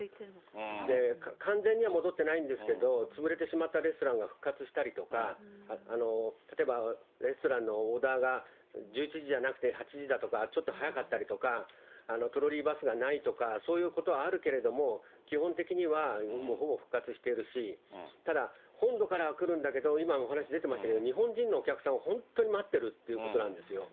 完全には戻ってないんですけど、潰れてしまったレストランが復活したりとか、例えばレストランのオーダーが１１時じゃなくて、８時だとか、ちょっと早かったりとか、トロリーバスがないとか、そういうことはあるけれども、基本的にはもうほぼ復活しているし、ただ、本土からは来るんだけど、今、お話出てましたけど、日本人のお客さんは本当に待ってるっていうことなんですよ。